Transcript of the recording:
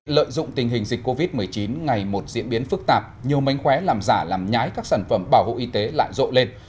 lợi dụng tình hình dịch covid một mươi chín ngày một diễn biến phức tạp nhiều mánh khóe làm giả làm nhái các sản phẩm bảo hộ y tế lại rộ lên